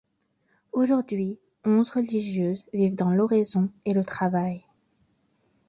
Aujourd'hui onze religieuses vivent dans l'oraison et le travail.